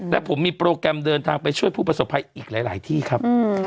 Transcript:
และผมมีโปรแกรมเดินทางไปช่วยผู้ประสบภัยอีกหลายที่ครับ